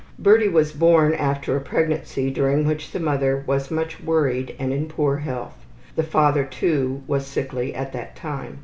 Birdie was born after a pregnancy during which the mother was much worried and in poor health. The father, too, was sickly at that time.